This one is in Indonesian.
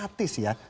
agak statis ya